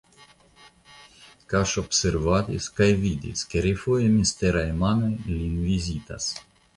Kaŝobservadis kaj vidis, ke refoje misteraj manoj lin vizitas.